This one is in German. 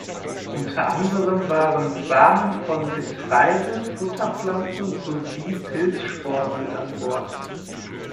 Unter anderem waren Samen von Getreide, Futterpflanzen, sowie Pilzsporen mit an Bord.